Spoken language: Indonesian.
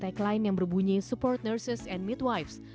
tekline yang berbunyi support nurses and midwives